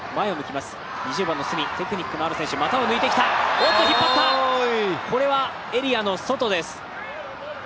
おっと引っ張ったこれはエリアの外です。